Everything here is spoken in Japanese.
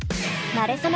なれそめ！